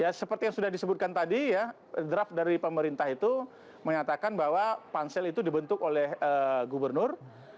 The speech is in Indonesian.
ya seperti yang sudah disebutkan tadi ya draft dari pemerintah itu menyatakan bahwa pansel itu dibentuk oleh gubernur